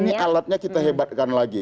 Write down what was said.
ini alatnya kita hebatkan lagi